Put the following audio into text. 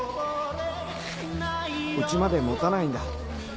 家まで持たないんだ。